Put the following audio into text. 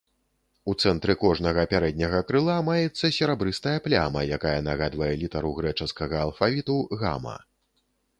У цэнтры кожнага пярэдняга крыла маецца серабрыстая пляма, якая нагадвае літару грэчаскага алфавіту гама.